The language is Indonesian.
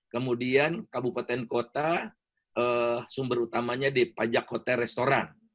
kemudian kabupaten kota sumber utamanya di pajak hotel restoran